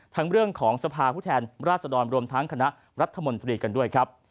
เรื่องของสภาพผู้แทนราชดรรวมทั้งคณะรัฐมนตรีกันด้วยครับ